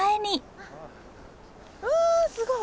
うわすごい！